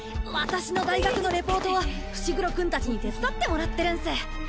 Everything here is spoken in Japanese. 私の大学のレポートを伏黒君たちに手伝ってもらってるんす。